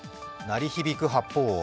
鳴り響く発砲音。